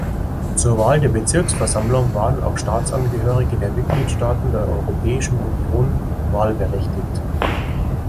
Zur Wahl der Bezirksversammlung waren auch Staatsangehörige der Mitgliedstaaten der Europäischen Union wahlberechtigt.